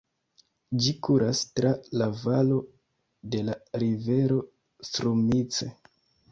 Ĝi kuras tra la valo de la rivero Strumice.